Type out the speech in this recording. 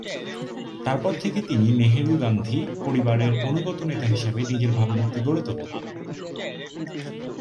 তারপর থেকে তিনি নেহেরু-গান্ধী পরিবারের অনুগত নেতা হিসেবে নিজের ভাবমূর্তি গড়ে তোলেন।